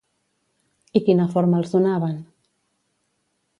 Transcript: I quina forma els donaven?